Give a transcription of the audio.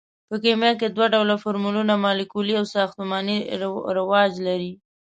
په کیمیا کې دوه ډوله فورمولونه مالیکولي او ساختماني رواج لري.